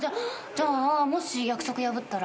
じゃあもし約束破ったら？